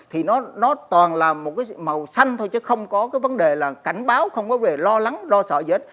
thì nó toàn là một cái màu xanh thôi chứ không có cái vấn đề là cảnh báo không có về lo lắng lo sợ gì